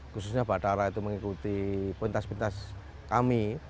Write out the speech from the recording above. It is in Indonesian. khususnya batara itu mengikuti pintas pintas kami